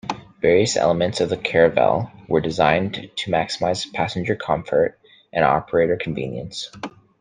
Various elements of the Caravelle were designed to maximise passenger comfort and operator convenience.